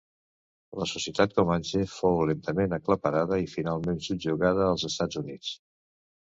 La societat comanxe fou lentament aclaparada i finalment subjugada als Estats Units.